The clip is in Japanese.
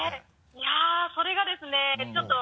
いやそれがですねちょっと。